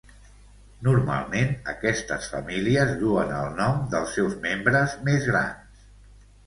Normalment aquestes famílies duen el nom dels seus membres més grans.